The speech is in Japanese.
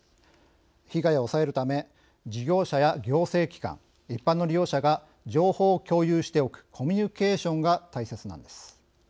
被害を抑えるため事業者や行政機関一般の利用者が情報を共有しておくコミュニケーションが大切なのです。